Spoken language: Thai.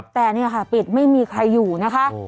แต่นี่ค่ะปิดไม่มีใครอยู่นะคะ